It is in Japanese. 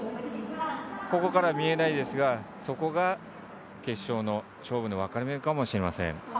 ここから見えないですがそこが決勝の勝負の分かれ目かもしれません。